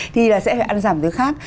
thì là sẽ phải ăn giảm thứ khác